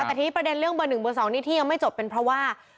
แต่ทีนี้ประเด็นเรื่องเบอร์๑เบอร์๒นี่ที่ยังไม่จบเป็นเพราะว่า